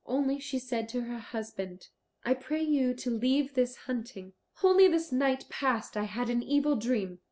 Only she said to her husband, "I pray you to leave this hunting. Only this night past I had an evil dream.